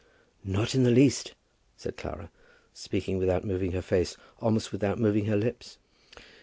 "Not in the least," said Clara, speaking without moving her face almost without moving her lips.